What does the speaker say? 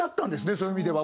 そういう意味では。